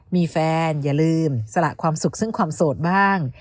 มีแฟนอย่าลืมสละความสุขซึ่งความโสดบ้าง